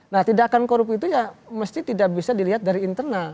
nah tindakan korup itu ya mesti tidak bisa dilihat dari internal